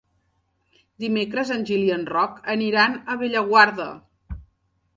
Dimecres en Gil i en Roc aniran a Bellaguarda.